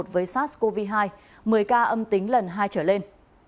với sars cov hai một mươi ca âm tính lần hai trở lên